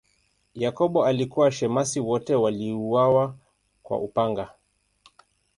Yakobo alikuwa shemasi, wote waliuawa kwa upanga.